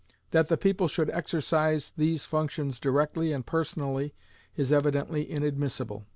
That the people should exercise these functions directly and personally is evidently inadmissable.